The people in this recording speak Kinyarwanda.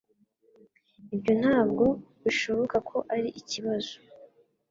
Ibyo ntabwo bishoboka ko ari ikibazo